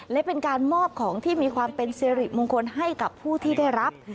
และเป็นการมอบของที่มีความเป็นสิริมงคลให้กับผู้ที่ได้รับ